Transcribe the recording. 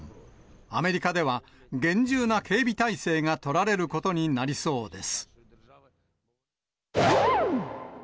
アメリカでは、厳重な警備態勢が取られることになりそうです。